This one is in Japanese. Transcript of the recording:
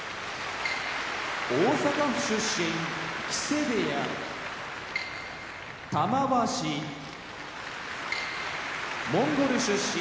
大阪府出身木瀬部屋玉鷲モンゴル出身